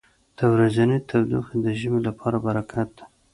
• د ورځې تودوخه د ژمي لپاره برکت دی.